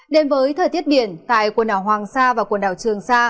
đến với thời tiết biển tại quần đảo hoàng sa và quần đảo trường sa